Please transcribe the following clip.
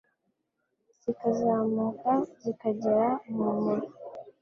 zikazamuka zikagera mu mura